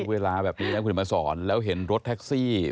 เวลาแบบนี้นะคุณมาสอนแล้วเห็นรถแท็กซี่